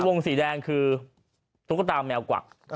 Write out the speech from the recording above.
วงสีแดงคือตุ๊กตาแมวกวัก